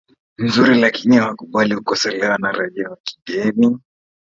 mzuri Lakini hawakubali kukosolewa na raia wa kigeni